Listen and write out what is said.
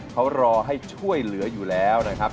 เขารอให้ช่วยเหลืออยู่แล้วนะครับ